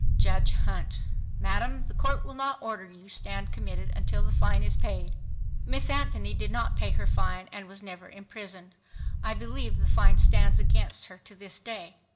JUDGE HUNT—Madam, the Court will not order you stand committed until the fine is paid. Miss Anthony did not pay her fine and was never imprisoned. I believe the fine stands against her to this day.